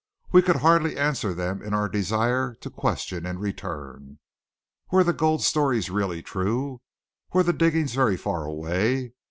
We could hardly answer them in our desire to question in return. Were the gold stories really true? Were the diggings very far away?